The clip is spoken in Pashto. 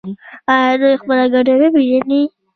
آیا دوی خپله ګټه نه پیژني؟